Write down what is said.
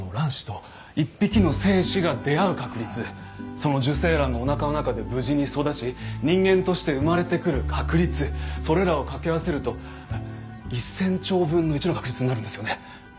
その受精卵がおなかの中で無事に育ち人間として生まれてくる確率それらをかけ合わせると１０００兆分の１の確率になるんですよね。